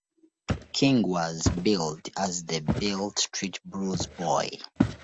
King was billed as the Beale Street Blues Boy.